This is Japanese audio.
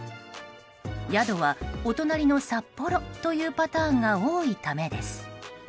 宿はお隣の札幌というパターンが多いためです。